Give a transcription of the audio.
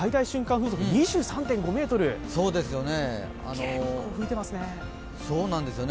風速２３．５メートル結構吹いてますね。